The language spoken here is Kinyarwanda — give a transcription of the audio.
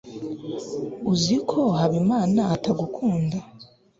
uzi ko habimana atagukunda